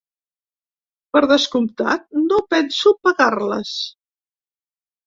Per descomptat, no penso pagar-les.